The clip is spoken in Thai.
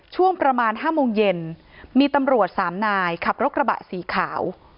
ช่วงประมาณ๕โมงเย็นมีตำรวจสามนายขับรถกระบะสีขาว